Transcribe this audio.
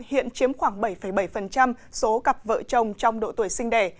hiện chiếm khoảng bảy bảy số cặp vợ chồng trong độ tuổi sinh đẻ